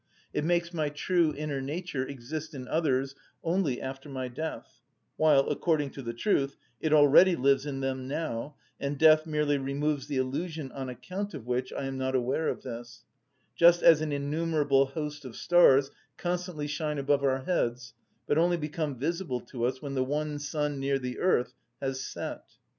It makes my true inner nature exist in others only after my death, while, according to the truth, it already lives in them now, and death merely removes the illusion on account of which I am not aware of this; just as an innumerable host of stars constantly shine above our heads, but only become visible to us when the one sun near the earth has set.